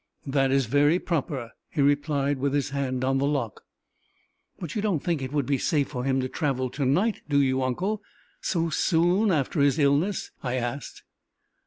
"That is very proper," he replied, with his hand on the lock. "But you don't think it would be safe for him to travel to night do you, uncle so soon after his illness?" I asked.